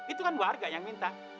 itu kan warga yang minta